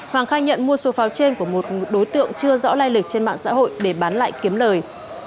hoàng khai nhận mua số pháo trên của một đối tượng chưa rõ lai lịch trên mạng xã hội để bán lại kiếm lời